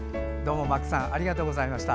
マックさんありがとうございました。